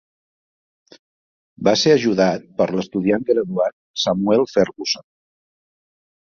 Va ser ajudat per l'estudiant graduat Samuel Ferguson.